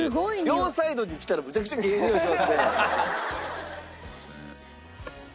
両サイドにきたらめちゃくちゃええにおいしますね。